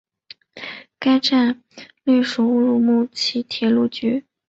该站隶属乌鲁木齐铁路局。